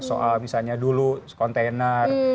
soal misalnya dulu kontainer